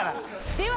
では